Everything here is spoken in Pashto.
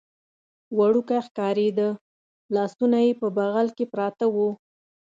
وړوکی ښکارېده، لاسونه یې په بغل کې پراته و.